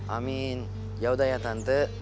amin yaudah ya tante